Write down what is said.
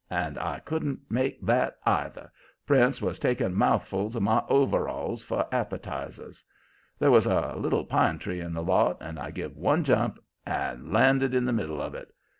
And I couldn't make that, either. Prince was taking mouthfuls of my overalls for appetizers. There was a little pine tree in the lot, and I give one jump and landed in the middle of it.